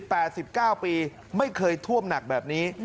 ๑๘๑๙ปีไม่เคยท่วมหนักแบบนี้